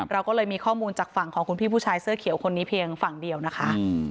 เราก็เลยมีข้อมูลจากฝั่งของคุณพี่ผู้ชายเสื้อเขียวคนนี้เพียงฝั่งเดียวนะคะ